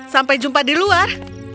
sampai jumpa di luar